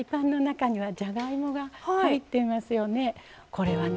これはね